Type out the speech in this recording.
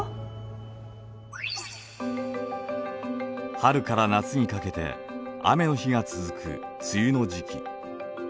春から夏にかけて雨の日が続く梅雨の時期。